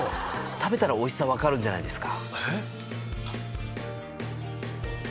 食べたらおいしさ分かるんじゃないですか？